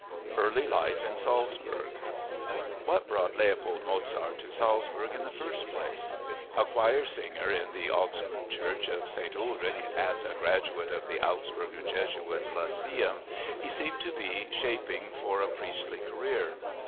Early Life in Salzburg What brought Leopold Mozart to Salzburg in the first place? A choirsinger in the Augsburg Church of St. Ulrich and a graduate of the Augsburger Jesuit Lyceum, he seemed to be shaping for a priestly career.